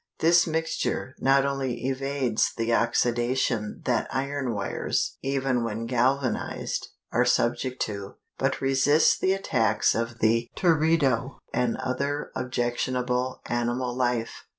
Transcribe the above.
This mixture not only evades the oxidation that iron wires, even when galvanized, are subject to, but resists the attacks of the teredo and other objectionable animal life.